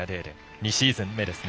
２シーズン目ですね。